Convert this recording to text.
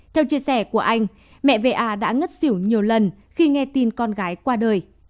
theo chia sẻ của anh mẹ va đã ngất xỉu nhiều lần khi nghe tin con gái qua đời